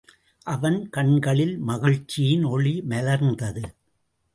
அவன் கண்களிலே மகிழ்ச்சியின் ஒளி மலர்ந்தது.